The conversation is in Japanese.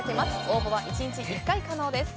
応募は１日１回可能です。